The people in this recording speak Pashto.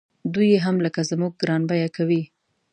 دوی یې هم لکه زموږ ګران بیه کوي.